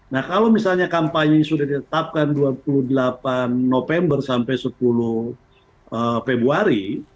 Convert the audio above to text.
nah kalau misalnya kampanye sudah ditetapkan dua puluh delapan november sampai sepuluh februari